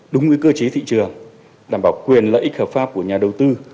đúng với cơ chế thị trường đảm bảo quyền lợi ích hợp pháp của nhà đầu tư